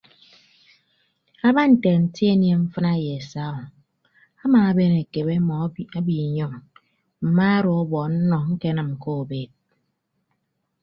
Aba nte anti anie mfịna ye saa o amaaben akebe ọmọ abiinyọñ mma odo ọbọ ọnnọ ñkenịm ke ubeed.